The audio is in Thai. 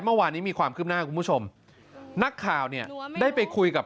เมื่อวานนี้มีความคืบหน้าคุณผู้ชมนักข่าวเนี่ยได้ไปคุยกับ